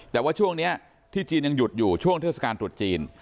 แต่ว่าช่วงนี้ที่จีนยังหยุดอยู่ช่วงเทศกาลตรุษจีน